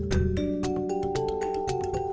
dan memperoleh keamanan yang menarik